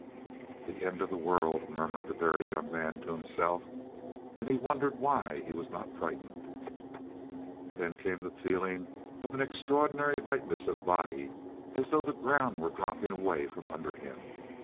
"The end of the world," murmured the Very Young Man to himself. And he wondered why he was not frightened. Then came the feeling of an extraordinary lightness of body, as though the ground were dropping away from under him.